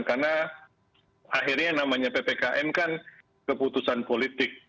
karena akhirnya yang namanya ppkm kan keputusan politik